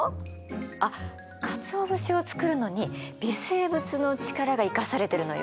あっかつお節を作るのに微生物の力が生かされてるのよ。